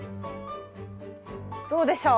どうでしょう？